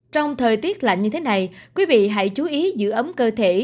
trong thời tiết lạnh như thế này quý vị hãy chú ý giữ ấm cơ thể